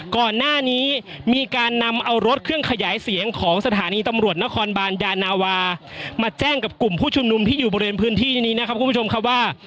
ก่อนหน้านี้มีการนำเอารถเครื่องขยายเสียงของสถานีตำรวจนครบานยานาวามาแจ้งกับกลุ่มผู้ชุมนุมที่อยู่บริเวณพื้นที่นี้นะครับคุณผู้ชมครับว่า